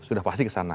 sudah pasti kesana